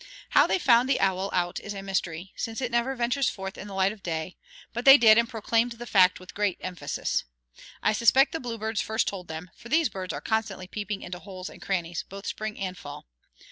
How they found the owl out is a mystery, since it never ventures forth in the light of day; but they did, and proclaimed the fact with great emphasis. I suspect the bluebirds first told them, for these birds are constantly peeping into holes and crannies, both spring and fall.